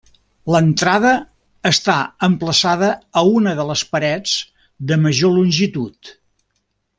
L'entrada està emplaçada a una de les parets de major longitud.